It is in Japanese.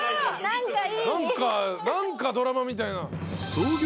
何かドラマみたいな。